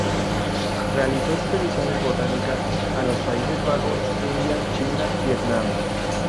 Realizó expediciones botánicas a los Países Bajos, India, China, Vietnam.